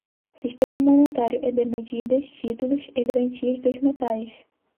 sistema monetário e de medidas, títulos e garantias dos metais;